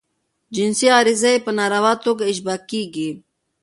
جنسی غریزه ئې په ناروا توګه اشباه کیږي.